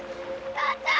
母ちゃん！